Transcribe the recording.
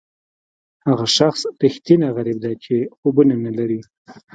هغه شخص ریښتینی غریب دی چې خوبونه نه لري.